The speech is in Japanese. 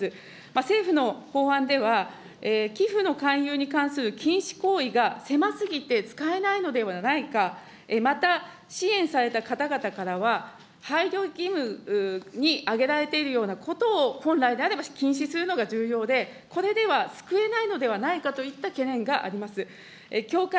政府の法案では、寄付の勧誘に関する禁止行為が狭すぎて使えないのではないか、また支援された方々からは、配慮義務に挙げられているようなことを本来であれば禁止するのが重要で、これでは救えないのではないかといった懸念があります。